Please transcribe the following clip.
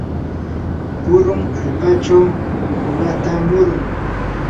purun allpachaw uqata muruy.